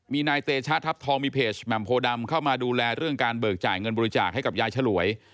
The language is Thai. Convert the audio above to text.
มีนายเตชะทัพทองมีเพจแหม่มโพดำเข้ามาดูแลเรื่องการเบิกจ่ายเงินบริจาคให้กับยายฉลวย